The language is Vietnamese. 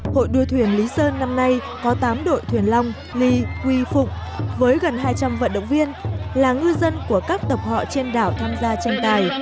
hội đua thuyền lý sơn năm nay có tám đội thuyền long nghi quy phục với gần hai trăm linh vận động viên là ngư dân của các tộc họ trên đảo tham gia tranh tài